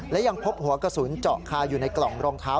และยังพบหัวกระสุนเจาะคาอยู่ในกล่องรองเท้า